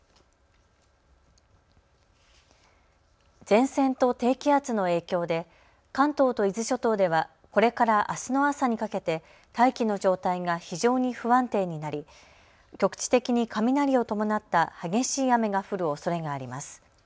前線と低気圧の影響で関東と伊豆諸島ではこれからあすの朝にかけて大気の状態が非常に不安定になり局地的に雷を伴った激しい雨が降るおそれがあります。